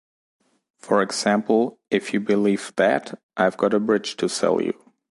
For example, "If you believe "that", I've got a bridge to sell you.